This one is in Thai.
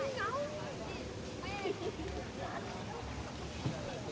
สวัสดีสวัสดี